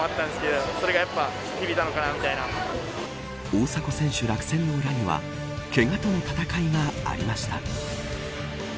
大迫選手、落選の裏にはけがとの戦いがありました。